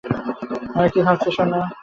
আমি কী ভাবছি শোনো।